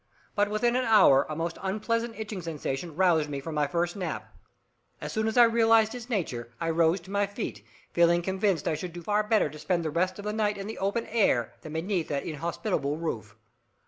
But within an hour a most unpleasant itching sensation roused me from my first nap. As soon as I realized its nature, I rose to my feet, feeling convinced I should do far better to spend the rest of the night in the open air than beneath that inhospitable roof.